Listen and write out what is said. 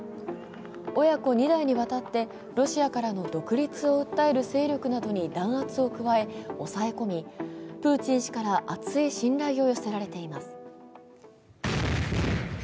親子２代にわたってロシアからの独立を訴える勢力などに弾圧を加え抑え込み、プーチン氏から厚い信頼を寄せられています。